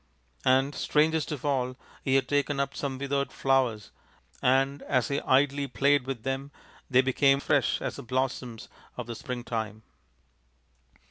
And, strangest of all, he had taken up some withered flowers and as he idly played with them they became as fresh as the blossoms of the springtime."